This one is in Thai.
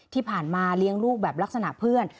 ที่ผ่านมาเลี้ยงลูกแบบลักษณะเพื่อน